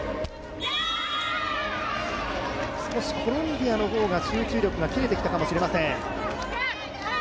少しコロンビアの方が集中力が切れてきたかもしれません。